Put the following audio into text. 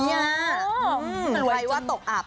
ใครว่าตกอับ